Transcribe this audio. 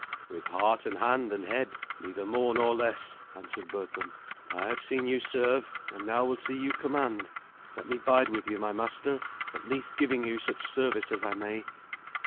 "With heart and hand and head, neither more nor less," answered Berthun. "I have seen you serve, and now will see you command. Let me bide with you, my master, at least, giving you such service as I may."